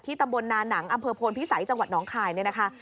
ตำบลนาหนังอำเภอโพนพิสัยจังหวัดน้องคายเนี่ยนะคะ